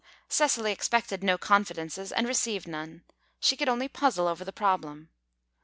Cecily expected no confidences, and received none; she could only puzzle over the problem.